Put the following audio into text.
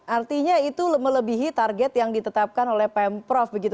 artinya itu melebihi target yang ditetapkan oleh pemprov begitu